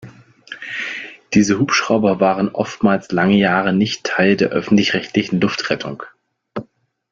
Diese Hubschrauber waren oftmals lange Jahre nicht Teil der öffentlich-rechtlichen Luftrettung.